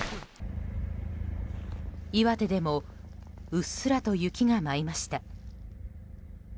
岩手でもうっすらと雪が舞いました。